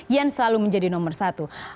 yang selalu menjadi nomor satu